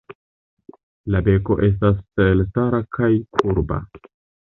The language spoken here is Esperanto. La beko estas elstara kaj kurba.